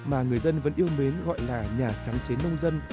mà người dân vẫn yêu mến gọi là nhà sáng chế nông dân